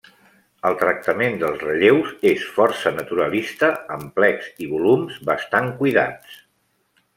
El tractament dels relleus és força naturalista, amb plecs i volums bastant cuidats.